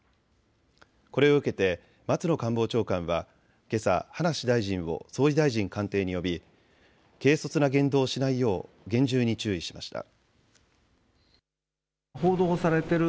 これを受けて松野官房長官はけさ葉梨大臣を総理大臣官邸に呼び、軽率な言動をしないよう厳重に注意しました。